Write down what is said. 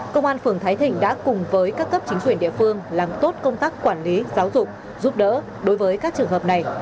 công an phường thái thịnh đã cùng với các cấp chính quyền địa phương làm tốt công tác quản lý giáo dục giúp đỡ đối với các trường hợp này